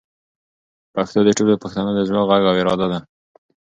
پښتو د ټولو پښتنو د زړه غږ او اراده ده.